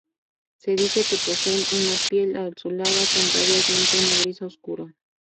Se dice que poseen una piel azulada con rayas de un tono gris oscuro.